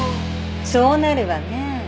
そうなるわね。